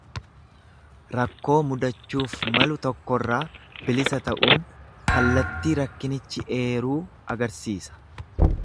Rakkoo mudachuuf malu tokkorraa bilisa ta'uun kallattii rakkinichi eeruu agarsiisa.